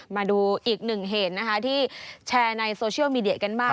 มาดูอีกหนึ่งเหตุนะคะที่แชร์ในโซเชียลมีเดียกันมาก